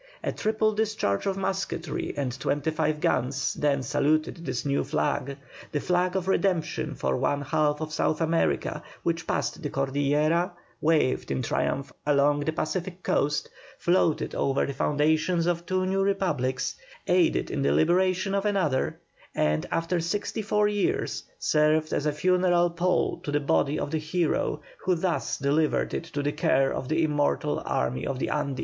A triple discharge of musketry and twenty five guns, then saluted this new flag, the flag of redemption for one half of South America, which passed the Cordillera, waved in triumph along the Pacific Coast, floated over the foundations of two new Republics, aided in the liberation of another, and after sixty four years, served as a funeral pall to the body of the hero, who thus delivered it to the care of the immortal Army of the Andes.